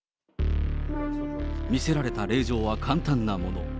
見せられた令状は簡単なもの。